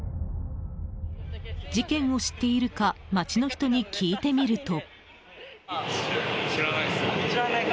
事件を知っているか街の人に聞いてみると。